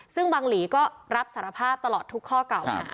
ซึ่งบังหลีก็รับสารภาพตลอดทุกข้อเก่าหา